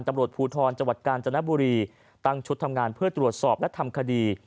ตำรวจภูทรจังหวัดกาญจนบุรีตั้งชุดทำงานเพื่อตรวจสอบและทำคดี